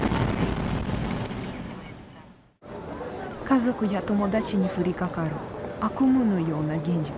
家族や友達に降りかかる悪夢のような現実。